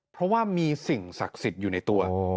เพราะว่ามีสิ่งศักดิ์สิทธิ์อยู่ในตัว